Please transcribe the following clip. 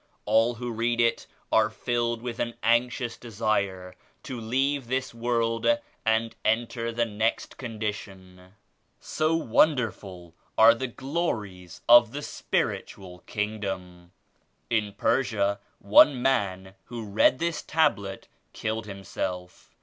All who read it are filled with an anxious desire to leave this world and enter the next condition, so wonderful are the glories of the Spiritual King dom. In Persia, one man who read this Tablet killed himself.